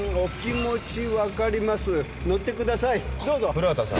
古畑さん。